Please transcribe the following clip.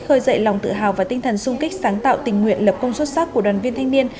khơi dậy lòng tự hào và tinh thần sung kích sáng tạo tình nguyện lập công xuất sắc của đoàn viên thanh niên